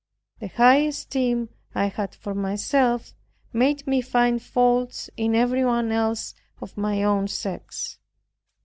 The high esteem I had for myself made me find faults in everyone else of my own sex.